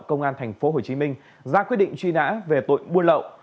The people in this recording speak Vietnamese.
công an tp hcm ra quyết định truy nã về tội buôn lậu